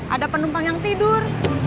ada penumpang yang tidur